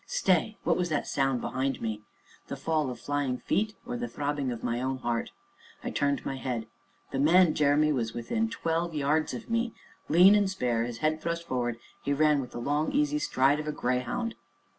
Stay! what was that sound behind me the fall of flying feet, or the throbbing of my own heart? I turned my head; the man Jeremy was within twelve yards of me lean and spare, his head thrust forward, he ran with the long, easy stride of a greyhound.